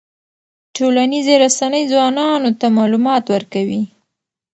ټولنیزې رسنۍ ځوانانو ته معلومات ورکوي.